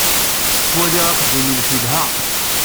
Ttwaliɣ axeddim-nnek yelha.